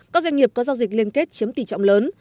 các doanh nghiệp có giao dịch liên kết chiếm tỷ trọng lớn